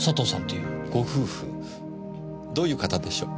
どういう方でしょう？